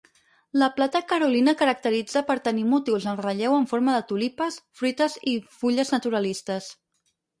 La plata carolina caracteritza per tenir motius en relleu en forma de tulipes, fruites i fulles naturalistes.